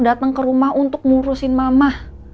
datang ke rumah untuk ngurusin mama